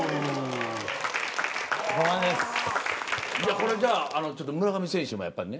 これじゃあちょっと村上選手もやっぱりね